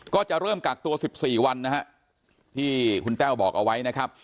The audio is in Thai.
ก็จะเริ่มกักตัว๑๔วันนะฮะที่คุณแต้วบอกเอาไว้นะครับ